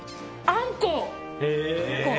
あんこ！